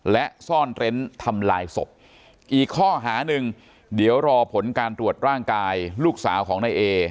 และซ่อนเร้นทำลายศพอีกข้อหาหนึ่งเดี๋ยวรอผลการตรวจร่างกายลูกสาวของนายเอ